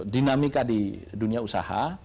dinamika di dunia usaha